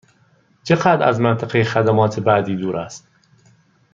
چقدر از منطقه خدمات بعدی دور است؟